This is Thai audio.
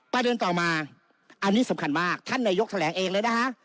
ประเด็นต่อมาอันนี้สำคัญมากท่านนายกแถลงเองเลยนะฮะ